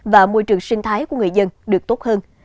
và môi trường sinh thái của người dân được tốt hơn